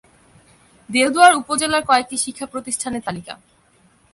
দেলদুয়ার উপজেলার কয়েকটি শিক্ষা প্রতিষ্ঠানের তালিকা:-